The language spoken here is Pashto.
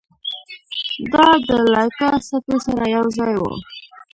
دا د لایکا سپي سره یوځای و.